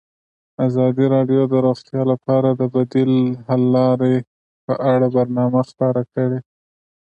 ازادي راډیو د روغتیا لپاره د بدیل حل لارې په اړه برنامه خپاره کړې.